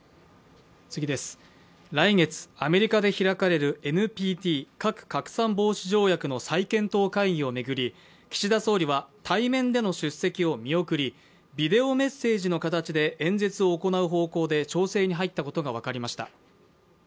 来月、アメリカで開かれるＮＰＴ＝核拡散防止条約の再検討会議を巡り岸田総理は対面での出席を見送りビデオメッセージの形で演説を行う方向で調整に入ったことが分かりました。